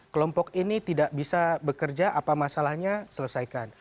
kelompok ini tidak bisa bekerja apa masalahnya selesaikan